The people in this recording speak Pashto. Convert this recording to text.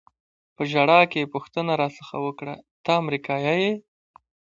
په ژړا کې یې پوښتنه را څخه وکړه: ته امریکایي یې؟